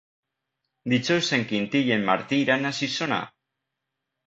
Dijous en Quintí i en Martí iran a Xixona.